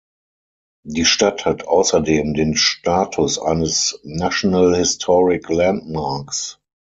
Die Stadt hat außerdem den Status eines National Historic Landmarks.